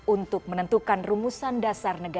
untuk menentukan rumusan dasar negara